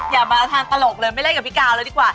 อย่ามาทานตลกเลยไม่เล่นกับพี่กาวเลยดีกว่า